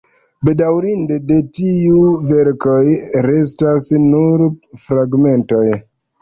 Bedaŭrinde, de tiuj verkoj restas nur fragmentoj.